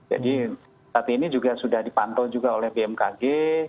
jadi saat ini juga sudah dipantau juga oleh bmkg